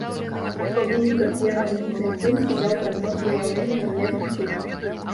Па выніках геамагнітнай здымкі даў прагноз выяўлення жалезных руд.